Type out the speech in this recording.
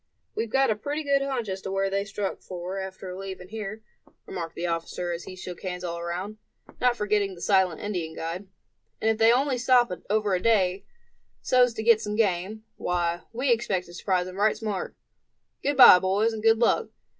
"We've got a pretty good hunch as to where they struck for after leaving here," remarked the officer, as he shook hands all around, not forgetting the silent Indian guide; "and if they only stop over a day, so's to get some game, why, we expect to surprise them right smart. Good bye, boys and good luck.